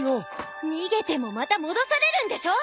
逃げてもまた戻されるんでしょ！